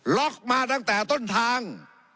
ล็อกมาตั้งแต่ต้นทาง